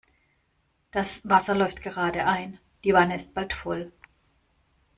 Das Wasser läuft gerade ein, die Wanne ist bald voll.